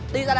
đi ra đây